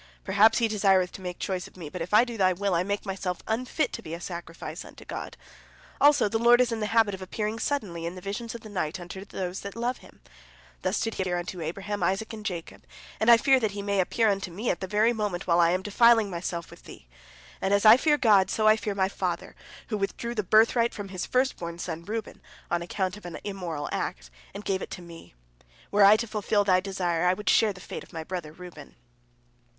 Perhaps He desireth to make choice of me, but if I do thy will, I make myself unfit to be a sacrifice unto God. Also the Lord is in the habit of appearing suddenly, in visions of the night, unto those that love Him. Thus did He appear unto Abraham, Isaac, and Jacob, and I fear that He may appear unto me at the very moment while I am defiling myself with thee. And as I fear God, so I fear my father, who withdrew the birthright from his first born son Reuben, on account of an immoral act, and gave it to me. Were I to fulfil thy desire, I would share the fate of my brother Reuben."